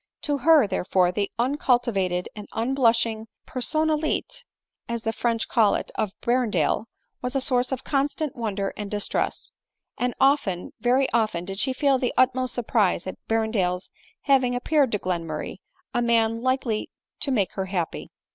To her, therefore, the uncultivated and un blushing personmJite as the French call it, of Berrendale, was a source of constant wonder and distress ; and often, very often did she feel the utmost surprise at Berren dale's having appeared to Glenmurray a man likely to make her happy.